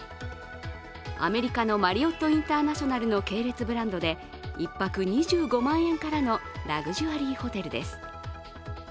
アメリカのマリオット・インターナショナルの系列ブランドで１泊２５万円からのラグジュアリーホテルです。